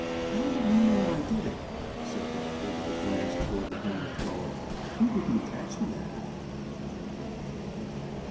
"How did he know I did it?" said Dolly with a glance toward the hammer thrower. "He didn't catch me at it." Defiantly.